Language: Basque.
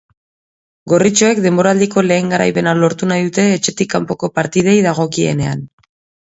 Gorritxoek denboraldiko lehen garaipena lortu nahi dute etxetik kanpoko partidei dagokienean.